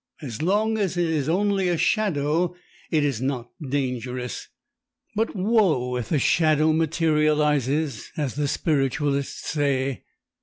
As long as it is only a shadow it is not dangerous. But, woe, if the shadow materialises, as the spiritualists say.